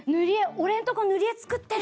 俺のとこぬりえ作ってる！」。